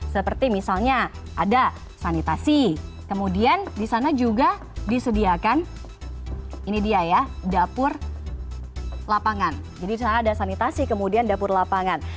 seperti misalnya ada sanitasi kemudian di sana juga disediakan ini dia ya dapur lapangan jadi di sana ada sanitasi kemudian dapur lapangan